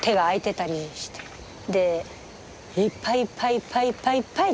いっぱいいっぱいいっぱい